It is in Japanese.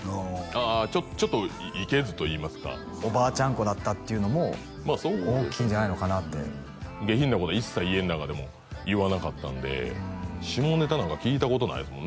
ああちょっといけずといいますかおばあちゃん子だったっていうのも大きいんじゃないのかなって下品なことは一切家の中でも言わなかったんで下ネタなんか聞いたことないですもんね